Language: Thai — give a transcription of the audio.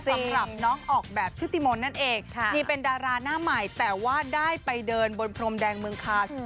สำหรับน้องออกแบบชุติมนต์นั่นเองนี่เป็นดาราหน้าใหม่แต่ว่าได้ไปเดินบนพรมแดงเมืองคาน